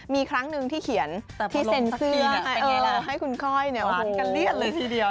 มีครั้งหนึ่งที่เขียนที่เซ็นเสื้อให้คุณค่อยเนี่ยหวานกันเลี้ยนเลยทีเดียว